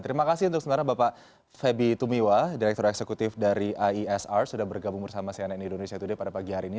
terima kasih untuk sebenarnya bapak feby tumiwa direktur eksekutif dari iesr sudah bergabung bersama cnn indonesia today pada pagi hari ini